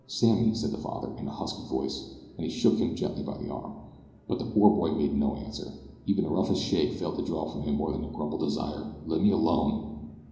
"Sammy," said the father, in a husky voice, as he shook him gently by the arm; but the poor boy made no answer even a roughish shake failed to draw from him more than the grumbled desire, "let me alone."